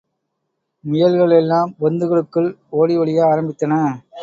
முயல்கள் எல்லாம் பொந்துகளுக்குள் ஓடி ஒளிய ஆரம்பித்தன.